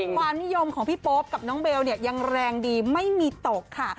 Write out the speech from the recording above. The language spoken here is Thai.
ความนิยมของพี่โป๊ปกับน้องเบลเนี่ยยังแรงดีไม่มีตกค่ะ